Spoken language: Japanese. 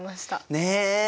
ねえ。